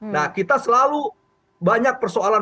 nah kita selalu banyak persoalan